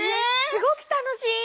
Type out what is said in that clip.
すごく楽しい。